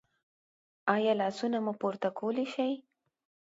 ایا لاسونه مو پورته کولی شئ؟